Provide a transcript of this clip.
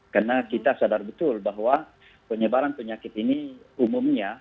karena kita sadar betul bahwa penyebaran penyakit ini umumnya